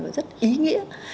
và rất ý nghĩa